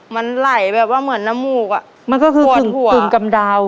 มันไหลแบบว่าเหมือนน้ำมูกอ่ะมันก็คือปวดหัวกำดาว